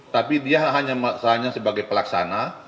tapi dia hanya sebagai pelaksana